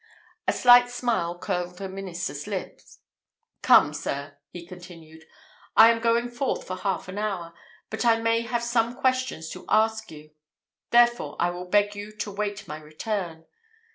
A slight smile curled the minister's lip. "Come, sir," he continued, "I am going forth for half an hour, but I may have some questions to ask you; therefore I will beg you to wait my return.